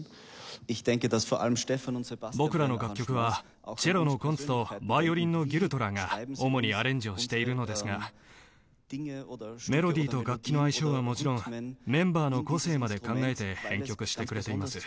僕らの楽曲はチェロのコンツとヴァイオリンのギュルトラーが主にアレンジをしているのですがメロディーと楽器の相性はもちろんメンバーの個性まで考えて編曲してくれています。